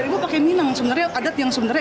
jadi ibu pakai minang sebenarnya adat yang sebenarnya